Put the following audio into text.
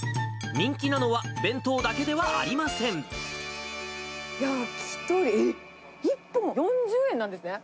人気なのは弁当だけではあり焼き鳥１本４０円なんですね。